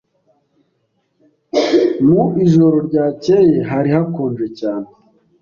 Mu ijoro ryakeye hari hakonje cyane.